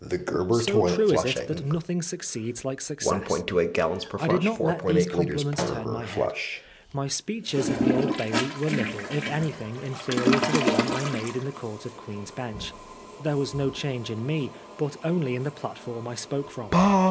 So true is it that nothing succeeds like success I I did not let these compliments turn my head. My speeches at the Old Bailey were little, if anything, inferior to the one I made in the Court of Queen's Bench. There was no change in me, but only In the platform I spoke from.